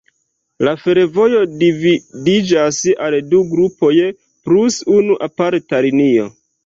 La fervojo dividiĝas al du grupoj plus unu aparta linio.